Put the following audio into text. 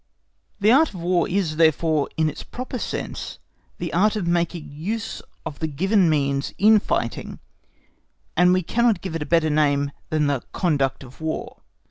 The Art of War is therefore, in its proper sense, the art of making use of the given means in fighting, and we cannot give it a better name than the "Conduct of War."